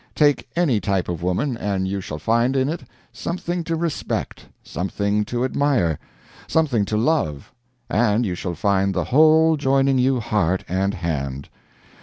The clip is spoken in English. Take any type of woman, and you shall find in it something to respect, something to admire, something to love. And you shall find the whole joining you heart and hand.